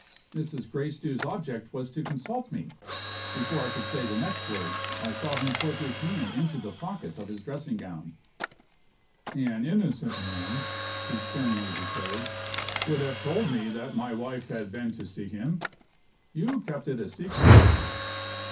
"Mrs. Gracedieu's object was to consult me " Before I could say the next words, I saw him put his hand into the pocket of his dressing gown. "An innocent man," he sternly declared, "would have told me that my wife had been to see him you kept it a secret.